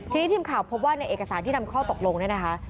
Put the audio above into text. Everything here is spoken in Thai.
ทีนี้ทีมข่าวพบว่าในเอกสารที่นำข้อตกลงเนี่ยนะคะ